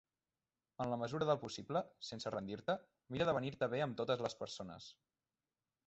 En la mesura del possible, sense rendir-te, mira d'avenir-te bé amb totes les persones.